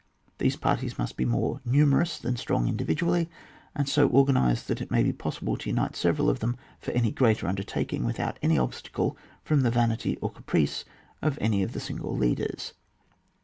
These parties must be more numerous than strong individually, and so organised that it may be possible to unite several of them for any greater undertaking without any obstacle from the vanity or caprice of any of the single leaders.